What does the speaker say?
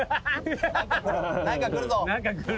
何か来るぞ。